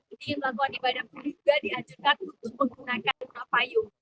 ini lakukan ibadah pun juga diajukan untuk menggunakan payung